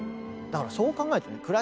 だからそう考えるとね